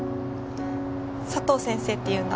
佐藤先生っていうんだ。